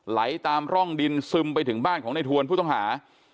ไหลตามร่องดินซึมไปถึงบ้านของในทวนผู้ต้องหา